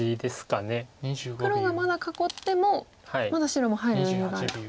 黒がまだ囲ってもまだ白も入る余裕があると。